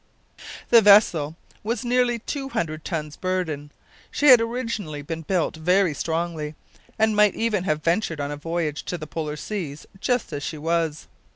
The vessel was nearly two hundred tons burden. She had originally been built very strongly, and might even have ventured on a voyage to the Polar seas just as she was.